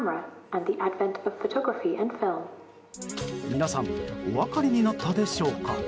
皆さんお分かりになったでしょうか。